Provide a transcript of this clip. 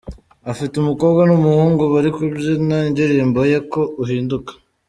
afite umukobwa n’umuhungu bari kubyina indirimbo ye "Ko Uhinduka".